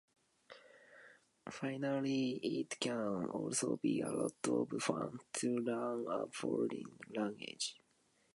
Finally, it can also be a lot of fun to learn a foreign language.